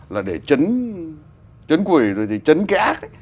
là để chấn quỷ rồi thì chấn cái ác